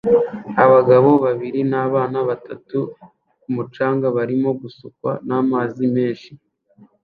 Abagabo babiri n'abana batatu ku mucanga barimo gusukwa n'amazi menshi